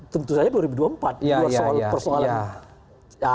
tentu saja dua ribu dua puluh empat persoalan